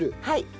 はい。